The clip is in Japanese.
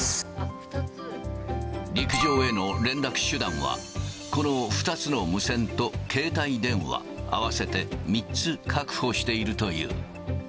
陸上への連絡手段は、この２つの無線と携帯電話、合わせて３つ確保しているという。